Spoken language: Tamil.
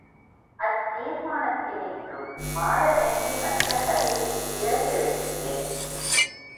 அத் தீர்மானத்தினின்றும் மாற வேண்டி வந்த கதையைப் பிறகு எழுதுகிறேன்.